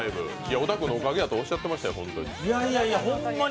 小田君のおかげだとおっしゃってましたよ、ホンマに。